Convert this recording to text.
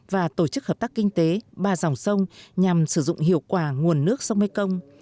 và tổ chức hợp tác kinh tế ba dòng sông nhằm sử dụng hiệu quả nguồn nước sông mekong